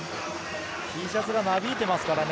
Ｔシャツがなびいていますからね。